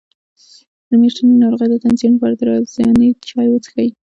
د میاشتنۍ ناروغۍ د تنظیم لپاره د رازیانې چای وڅښئ